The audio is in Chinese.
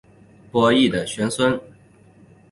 伯益的玄孙。